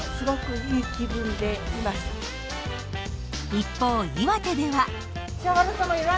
一方岩手では。